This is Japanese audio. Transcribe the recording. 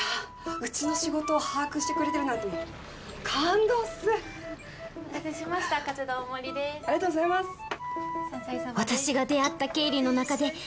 うちの仕事を把握してくれてるなんてもう感動っすお待たせしましたカツ丼大盛りですありがとうございます山菜そばです